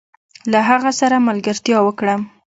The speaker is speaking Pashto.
له هغه سره ملګرتيا وکړم؟